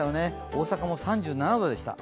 大阪も３７度でした。